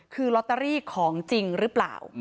คือลอตเตอรี่ของจริงหรือเปล่า